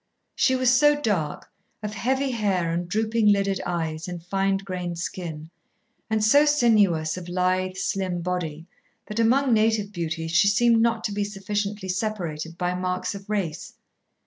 She was so dark, of heavy hair and drooping lidded eyes and fine grained skin, and so sinuous of lithe, slim body, that among native beauties she seemed not to be sufficiently separated by marks of race.